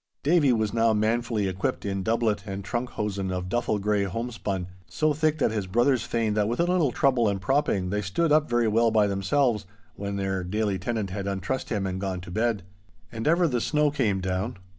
Davie was now manfully equipped in doublet and trunk hosen of duffle grey homespun, so thick that his brothers feigned that with a little trouble and propping they stood up very well by themselves, when their daily tenant had untrussed him and gone to bed. And ever the snow came down.